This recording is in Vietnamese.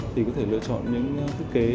thì có thể lựa chọn những thiết kế